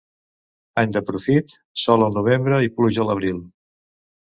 Any de profit: sol al novembre i pluja a l'abril.